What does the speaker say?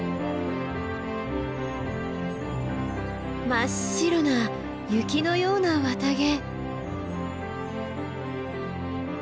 真っ白な雪のような綿毛。